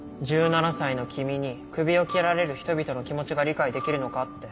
１７才の君にクビを切られる人々の気持ちが理解できるのかって。